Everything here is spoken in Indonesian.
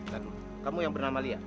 kamu yang bernama lia